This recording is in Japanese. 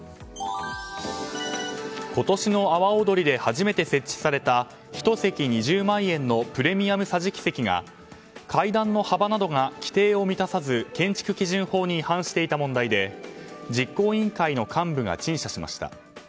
今年の阿波おどりで初めて設置された１席２０万円のプレミアム桟敷席が階段の幅などが規定を満たさず建築基準法に違反していた問題で実行委員会の幹部が陳謝しました。